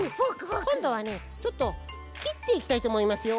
こんどはねちょっときっていきたいとおもいますよ。